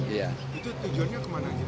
itu tujuannya kemana